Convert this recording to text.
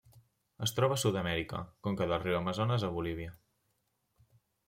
Es troba a Sud-amèrica: conca del riu Amazones a Bolívia.